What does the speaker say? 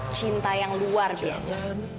cinta yang luar biasa